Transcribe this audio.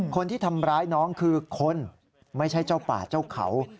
คนที่ทำร้ายน้องคือคนไม่ใช่เจ้าป่าเจ้าเขา